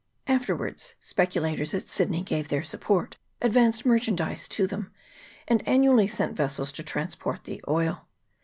Afterwards speculators at Syd ney gave their support, advanced merchandize to them, and annually sent vessels to transport the oil.